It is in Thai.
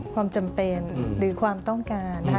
ความจำเป็นหรือความต้องการนะคะ